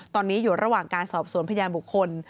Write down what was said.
ตอนนี้อยู่ระหว่างการสอบสวนพยานบุคคล